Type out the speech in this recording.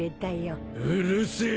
うるせえ。